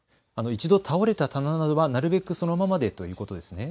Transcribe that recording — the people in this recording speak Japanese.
１度倒れた棚などはなるべくそのままでということですね。